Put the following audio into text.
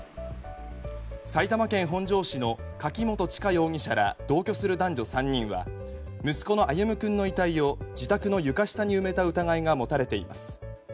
埼玉県本庄市の柿本知香容疑者ら同居する男女３人は息子の歩夢君の遺体を自宅の床下に埋めた疑いが持たれています。